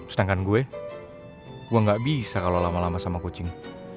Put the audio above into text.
sedangkan gue gue gak bisa kalau lama lama sama kucing